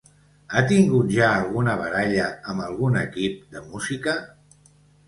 Ha tingut ja alguna baralla amb algun equip de música?